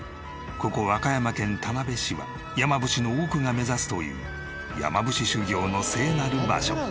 ここ和歌山県田辺市は山伏の多くが目指すという山伏修行の聖なる場所。